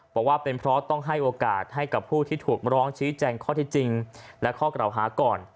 บอกว่าเป็นเพราะต้องให้โอกาสให้กับผู้ที่ถูกร้องชี้แจงข้อที่จริงและข้อกล่าวหาก่อน